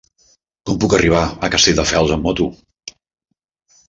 Com puc arribar a Castelldefels amb moto?